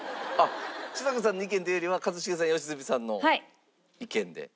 ちさ子さんの意見っていうよりは一茂さん良純さんの意見で。